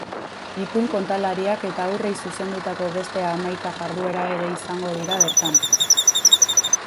Ipuin kontalariak eta haurrei zuzendutako beste hamaika jarduera ere izango dira bertan.